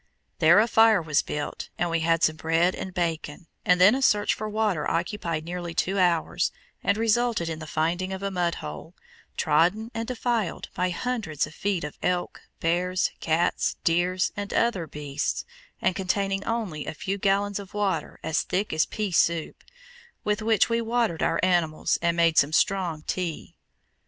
There a fire was built, and we had some bread and bacon; and then a search for water occupied nearly two hours, and resulted in the finding of a mudhole, trodden and defiled by hundreds of feet of elk, bears, cats, deer, and other beasts, and containing only a few gallons of water as thick as pea soup, with which we watered our animals and made some strong tea.